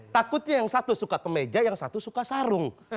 takutnya yang satu suka kemeja yang satu suka sarung